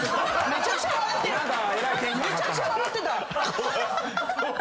めちゃくちゃ笑ってた。